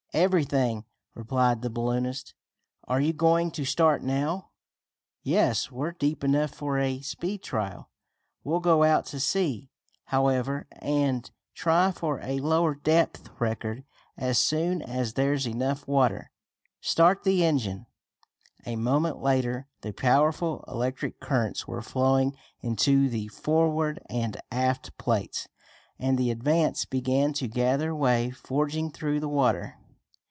"Everything," replied the balloonist. "Are you going to start now?" "Yes, we're deep enough for a speed trial. We'll go out to sea, however, and try for a lower depth record, as soon as there's enough water. Start the engine." A moment later the powerful electric currents were flowing into the forward and aft plates, and the Advance began to gather way, forging through the water.